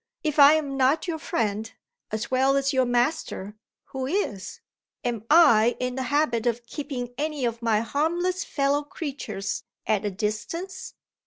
If I am not your friend, as well as your master, who is? Am I in the habit of keeping any of my harmless fellow creatures at a distance?